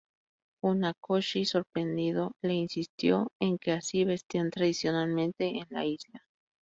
Funakoshi sorprendido, le insistió en que así vestían tradicionalmente en la isla.